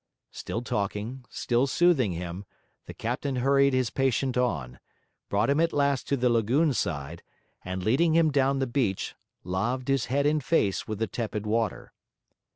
Still talking, still soothing him, the captain hurried his patient on, brought him at last to the lagoon side, and leading him down the beach, laved his head and face with the tepid water.